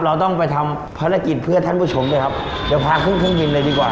เราต้องไปทำภารกิจเพื่อท่านผู้ชมด้วยครับเดี๋ยวพาขึ้นเครื่องบินเลยดีกว่า